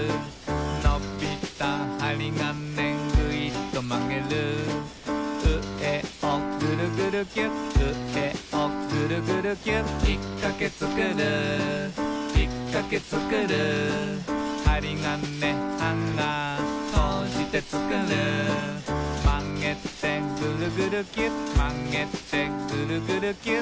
「のびたはりがねグイッとまげる」「上をぐるぐるキュッ」「上をぐるぐるキュッ」「きっかけつくるきっかけつくる」「はりがねハンガーこうしてつくる」「まげてぐるぐるキュッ」「まげてぐるぐるキュッ」